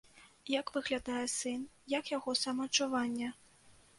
Як выглядае сын, як яго самаадчуванне?